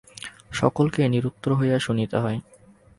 সকলকে নিরুত্তর হইয়া শুনিতে হয়।